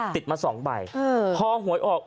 ติดมา๒ใบพอหวยออก